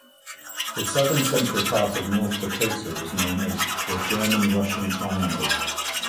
The southern central part of North Dakota was known as "the German-Russian triangle".